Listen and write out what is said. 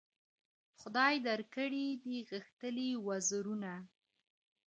خدای درکړي دي غښتلي وزرونه